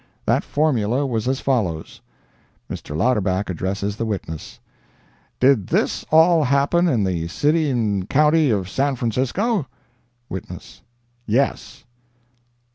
That formula was as follows: Mr. Louderback addresses the witness: "Did this all happen in the city'n county of San Francisco?" Witness—"Yes."